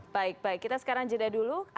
baik baik kita sekarang jeda dulu